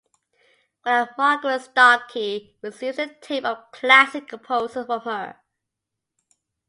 While at Margaret's, Starkey receives a tape of classic composers from her.